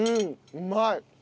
うまい。